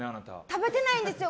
食べてないんですよ。